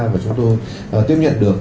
và chúng tôi tiếp nhận được